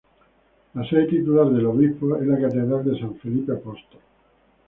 La sede titular del obispo es la catedral de San Felipe Apóstol.